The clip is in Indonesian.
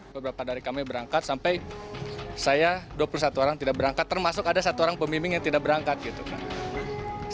beberapa dari kami berangkat sampai saya dua puluh satu orang tidak berangkat termasuk ada satu orang pemimpin yang tidak berangkat gitu kan